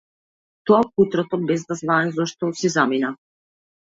Тоа кутрото, без да знае зошто, си замина.